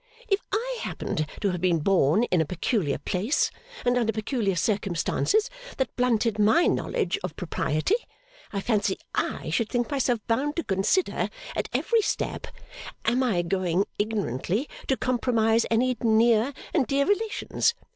If I happened to have been born in a peculiar place, and under peculiar circumstances that blunted my knowledge of propriety, I fancy I should think myself bound to consider at every step, "Am I going, ignorantly, to compromise any near and dear relations?"